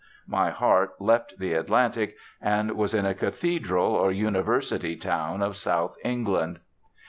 My heart leapt the Atlantic, and was in a Cathedral or University town of South England.